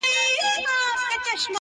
پخواني خلک د اوبو نلونه جوړول.